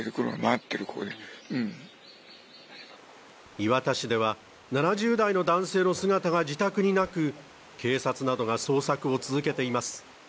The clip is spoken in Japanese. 磐田市では７０代の男性の姿が自宅になく警察などが捜索を続けています。